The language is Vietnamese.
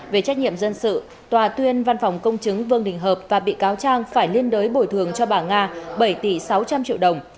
về trách nhiệm dân sự tòa tuyên văn phòng công chứng vương đình hợp và bị cáo trang phải liên đối bồi thường cho bà nga bảy tỷ sáu trăm linh triệu đồng